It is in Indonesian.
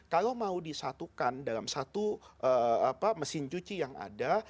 kalau mau disatukan dalam satu mesin cuci yang ada